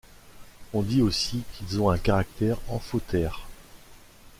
On dit aussi qu'ils ont un caractère amphotère.